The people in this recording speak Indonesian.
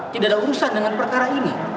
tidak ada urusan dengan perkara ini